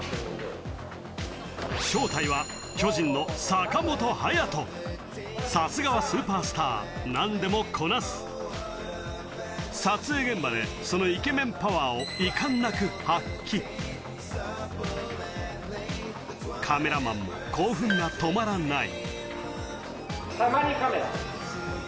正体は巨人のさすがはスーパースター何でもこなす撮影現場でそのイケメンパワーを遺憾なく発揮カメラマンも興奮が止まらない